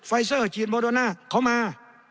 เซอร์ฉีดโมโดน่าเขามา